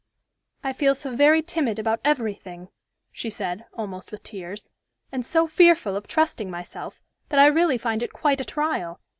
"I feel so very timid about every thing," she said, almost with tears, "and so fearful of trusting myself, that I really find it quite a trial.